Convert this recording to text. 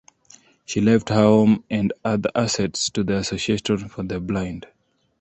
She left her home and other assets to the Association for the Blind.